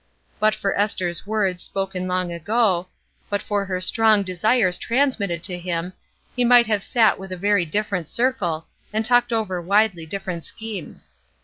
But for Ester's words, spoken long ago, but for her strong desires transmitted to him, he might have sat with a very different circle, and talked over widely different schemes.